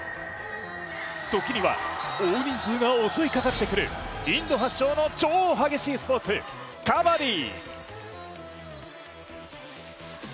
時には、大人数が襲いかかってくるインド発祥の超激しいスポーツ、カバディ。